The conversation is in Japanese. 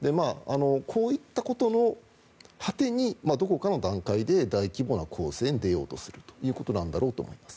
こういったことの果てにどこかの段階で大規模な攻勢に出ようということなんだろうと思います。